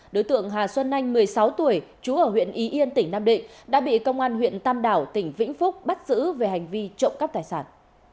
đối tượng hà xuân anh một mươi sáu tuổi trú ở huyện y yên tỉnh nam định đã bị công an huyện tam đảo tỉnh vĩnh phúc bắt giữ về hành vi trộm cắp tài sản